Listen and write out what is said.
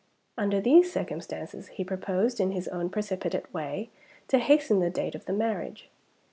Under these circumstances, he proposed, in his own precipitate way, to hasten the date of the marriage.